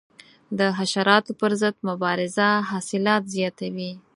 د حشراتو پر ضد مبارزه حاصلات زیاتوي.